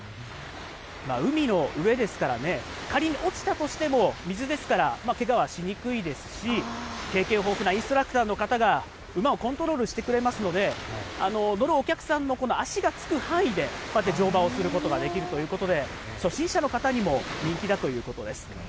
海の上ですからね、仮に落ちたとしても水ですから、けがはしにくいですし、経験豊富なインストラクターの方が、馬をコントロールしてくれますので、乗るお客さんのこの足がつく範囲で、こうやって乗馬をすることができるということで、初心者の方にも人気だということです。